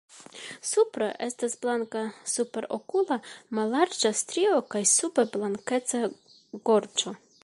Supre estas blanka superokula mallarĝa strio kaj sube blankeca gorĝo.